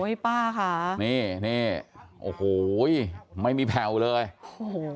โอ้โหนี่โอ้โหป้าค่ะนี่นี่โอ้โหไม่มีแผ่วเลยโอ้โห